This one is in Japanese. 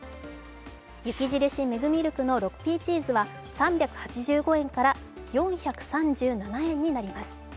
雪印メグミルクの６Ｐチーズは３８５円から４３７円になります。